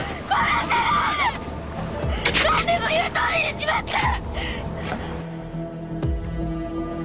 何でも言うとおりにしますから！